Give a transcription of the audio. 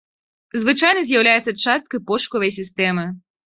Звычайна з'яўляецца часткай пошукавай сістэмы.